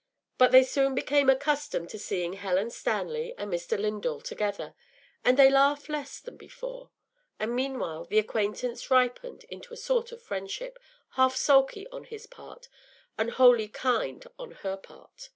But they soon became accustomed to seeing Helen Stanley and Mr. Lindall together, and they laughed less than before; and meanwhile the acquaintance ripened into a sort of friendship, half sulky on his part and wholly kind on her part.